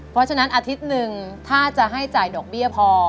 เพราะฉะนั้นอาทิตย์หนึ่งถ้าจะให้จ่ายดอกเบี้ยพอ